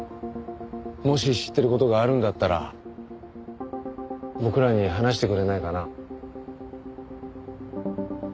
もし知ってる事があるんだったら僕らに話してくれないかな？